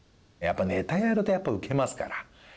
ネタやるとやっぱウケますから。